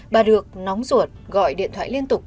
bà được nóng ruột gọi điện thoại liên tục